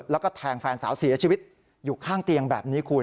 แล้วก็แทงแฟนสาวเสียชีวิตอยู่ข้างเตียงแบบนี้คุณ